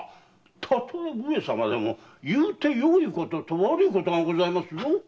たとえ上様でも言うて良いことと悪いことがございますぞ！